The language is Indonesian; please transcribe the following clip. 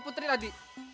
dorong putri tadi